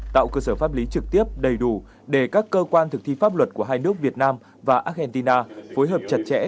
tạo cơ sở pháp lý trực tiếp đầy đủ để các cơ quan thực thi pháp luật của hai nước việt nam và argentina phối hợp chặt chẽ